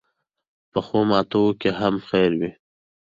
پخو ماتو کې هم خیر وي